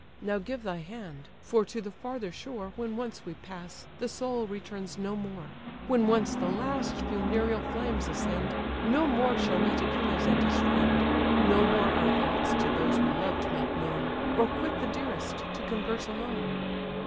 Now give thy hand; for to the farther shore When once we pass, the soul returns no more: When once the last funereal flames ascend, No more shall meet Achilles and his friend; No more our thoughts to those we loved make known; Or quit the dearest, to converse alone.